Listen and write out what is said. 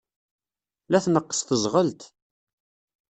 La tneqqes teẓɣelt.